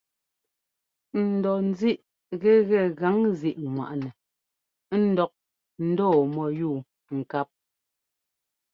N dɔ ńzíꞌ gɛgɛ gaŋzíꞌŋwaꞌnɛ ńdɔk ndɔɔ mɔ́yúu ŋkáp.